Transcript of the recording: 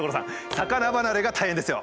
魚離れが大変ですよ。